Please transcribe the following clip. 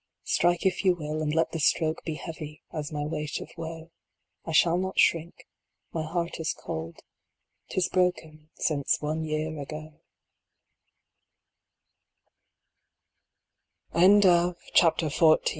Strike if you will, and let the stroke Be heavy as my weight of woe ; I shall not shrink, my heart is cold, Tis broken since one year a